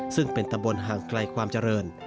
ซึ่งเป็นตำบลห่างไกลความเจริญ